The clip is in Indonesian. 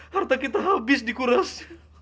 harta kita habis dikuras